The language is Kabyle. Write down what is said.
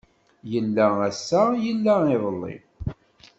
Yella ass-a yella iḍeli.